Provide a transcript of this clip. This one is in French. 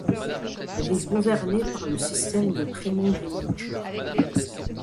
Elle est gouvernée par le système de primogéniture.